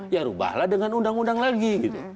ya rubahlah dengan undang undang lagi